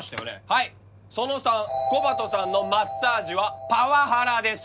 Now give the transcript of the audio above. はい「その３コバトさんのマッサージはパワハラです」